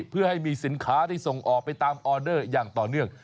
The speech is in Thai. เพื่อให้มีสินค้าได้ส่งออกไปตามออเดอร์อย่างต่อเนื่อง